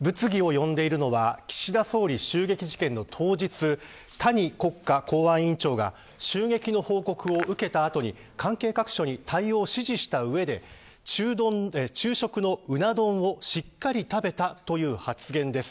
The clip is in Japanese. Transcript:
物議を呼んでいるのは岸田総理襲撃事件の当日谷国家公安委員長が襲撃の報告を受けた後に関係各所に対応を指示した上で昼食のうな丼をしっかり食べたという発言です。